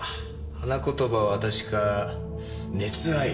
花言葉は確か「熱愛」。